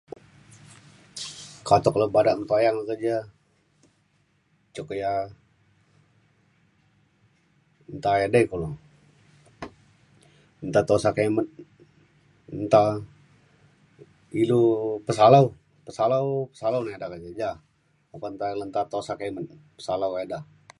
katok le bada me toyang le keja cuk ia' nta edai kulo. nta tusa kimet nta ilu pesalau pesalau salau ne eda ja oban ayen tai tusah kimet pesalau ida